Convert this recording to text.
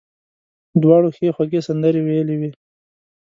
دواړو ښې خوږې سندرې ویلې وې.